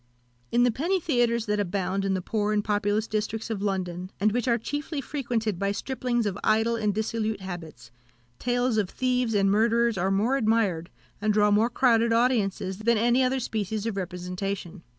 In the penny theatres that abound in the poor and populous districts of London, and which are chiefly frequented by striplings of idle and dissolute habits, tales of thieves and murderers are more admired, and draw more crowded audiences, than any other species of representation.